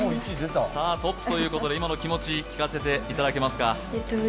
トップということで、今の気持ち聞かせていただけますか？